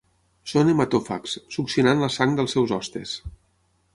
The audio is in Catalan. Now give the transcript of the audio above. Són hematòfags, succionant la sang dels seus hostes.